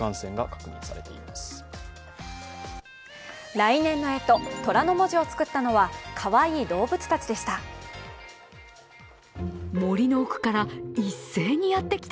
来年のえと、とらの文字をつくったのはかわいい動物たちでした。